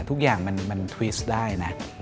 ทุกอย่างมันทริสได้นะ